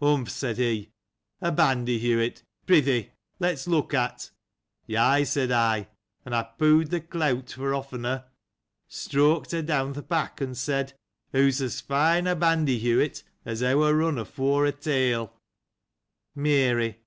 Humph ! said he — a bandyhewit — Pr'y thee, let's look at it. Ay, said I ; and I pulled the clout off her, streaked her down th' back, and said : She is as fine a bandyhewit as ever run before a tail. Mary.